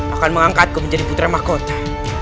akan mengangkatku menjadi putra mahkota